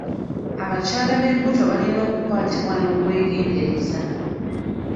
Abakyala b'embuto balina okukwatibwa n'obwegendereza.